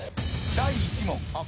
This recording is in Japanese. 「第１問。